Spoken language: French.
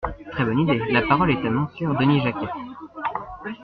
Très bonne idée ! La parole est à Monsieur Denis Jacquat.